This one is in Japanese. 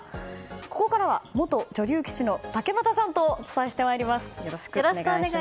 ここからは元女流棋士の竹俣さんとお伝えします。